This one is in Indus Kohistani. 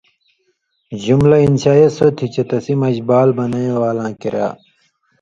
جملہ انشائیہ سوتھی چے تسی مژ بال بنیں والاں کریا